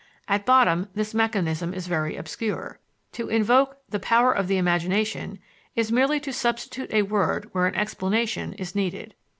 At bottom this mechanism is very obscure. To invoke "the power of the imagination" is merely to substitute a word where an explanation is needed.